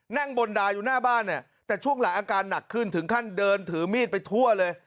นั่งบนดาอยู่หน้าบ้านเนี่ยแต่ช่วงหลังอาการหนักขึ้นถึงขั้นเดินถือมีดไปทั่วเลย